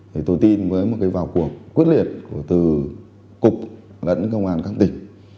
thì tôi tin với một cái vào cuộc quyết liệt của từ cục lẫn công an các tỉnh